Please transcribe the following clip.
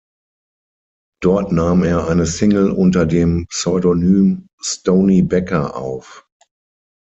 Dort nahm er eine Single unter dem Pseudonym "Stony Becker" auf.